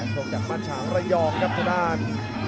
ตรงจากบรรชาวระยองครับทะดาน